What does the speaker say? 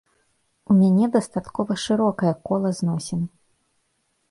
У мяне дастаткова шырокае кола зносін.